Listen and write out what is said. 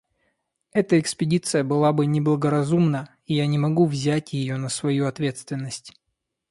Эта экспедиция была бы неблагоразумна; я не могу взять ее на свою ответственность.